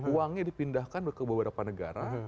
uangnya dipindahkan ke beberapa negara